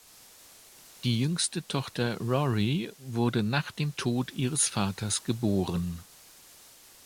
Die jüngste Tochter Rory wurde nach dem Tod ihres Vaters geboren.